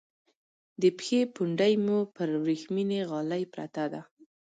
د پښې پونډۍ مو پر ورېښمینې غالی پرته ده.